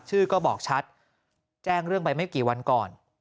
ชื่อก็บอกชัดแจ้งเรื่องไปไม่กี่วันก่อน